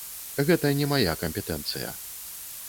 Гэта не мая кампетэнцыя.